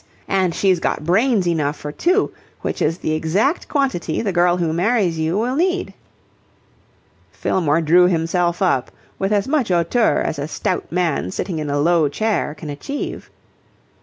"And she's got brains enough for two, which is the exact quantity the girl who marries you will need." Fillmore drew himself up with as much hauteur as a stout man sitting in a low chair can achieve.